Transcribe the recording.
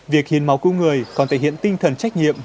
việc hiến máu cứu người còn thể hiện tinh thần trách nhiệm